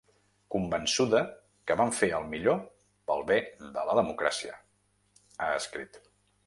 Convençuda que vam fer el millor pel bé de la democràcia, ha escrit.